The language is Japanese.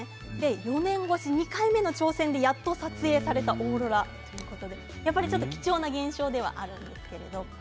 ４年越し２回目の挑戦でやっと撮影されたオーロラということで貴重な現象ではあるんですけれど。